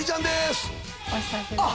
お久しぶりです。